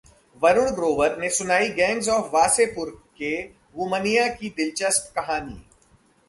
वरुण ग्रोवर ने सुनाई gangs of Wasseypur के 'वुमनिया' की दिलचस्प कहानी